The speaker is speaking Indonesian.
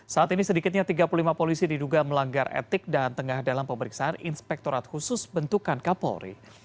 saat ini sedikitnya tiga puluh lima polisi diduga melanggar etik dan tengah dalam pemeriksaan inspektorat khusus bentukan kapolri